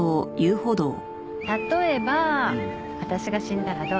例えば私が死んだらどうする？